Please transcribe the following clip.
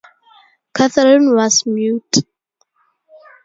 Catherine was mute.